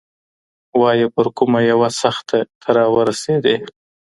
وايه پر کومه يوه سخته ته راورسېدې؟